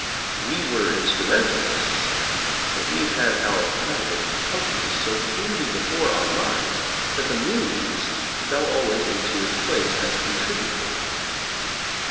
We were instrumentalists, but we had our private Utopias so clearly before our minds that the means fell always into its place as con tributory.